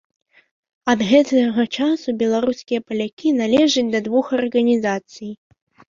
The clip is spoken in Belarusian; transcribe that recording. Ад гэтага часу беларускія палякі належаць да двух арганізацый.